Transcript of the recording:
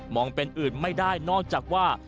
องเป็นอื่นไม่ได้นอกจากว่า